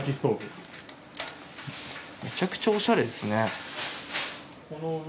めちゃくちゃおしゃれですね。